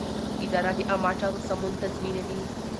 اداره د عامه چارو سمون تضمینوي.